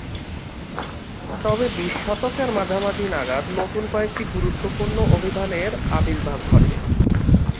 তবে বিশ শতকের মাঝামাঝি নাগাদ নতুন কয়েকটি গুরুত্বপূর্ণ অভিধানের আবির্ভাব ঘটে।